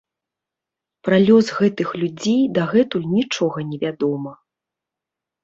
Пра лёс гэтых людзей дагэтуль нічога невядома.